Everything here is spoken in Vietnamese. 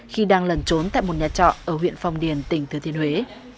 khi đang lần trốn tại một nhà trọ ở huyện phong điền tỉnh thứ thiên huế